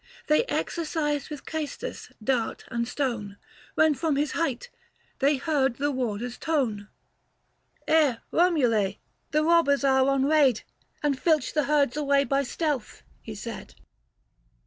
375 They exercised with ceestus, dart, and stone, When from his height, they heard the warder's tone —" Eh, Romule ! the robbers are on raid And filch the herds away by stealth," he said.